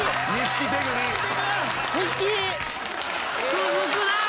続くなぁ。